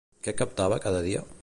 Què captava cada dia?